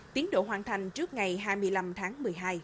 tiến độ hoàn thành trước ngày hai mươi năm tháng một mươi hai